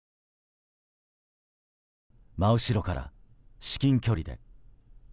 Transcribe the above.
真後ろから、至近距離で。